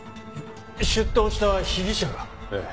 出頭した被疑者が？ええ。